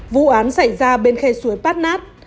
vụ án xảy ra bên khe suối bát nát